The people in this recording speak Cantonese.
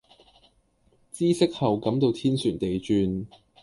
知悉後感到天旋地轉